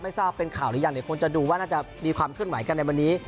ทราบเป็นข่าวหรือยังเดี๋ยวคงจะดูว่าน่าจะมีความเคลื่อนไหวกันในวันนี้